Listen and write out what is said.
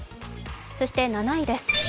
そして７位です。